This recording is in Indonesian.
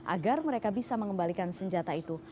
agar mereka bisa mengembalikan senjata itu